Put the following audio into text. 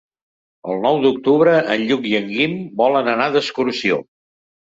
El nou d'octubre en Lluc i en Guim volen anar d'excursió.